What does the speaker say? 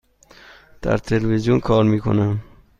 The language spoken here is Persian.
در تلویزیون کار می کنم.